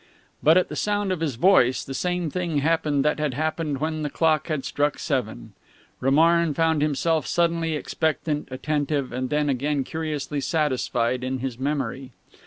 But at the sound of his voice the same thing happened that had happened when the clock had struck seven. Romarin found himself suddenly expectant, attentive, and then again curiously satisfied in his memory.